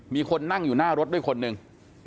มีคนนั่งอยู่หน้ารถด้วยคนหนึ่ง